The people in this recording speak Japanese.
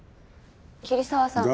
桐沢さん。